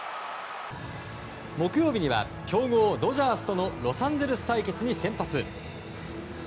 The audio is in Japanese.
木曜日には強豪ドジャースとのロサンゼルス対決に先発。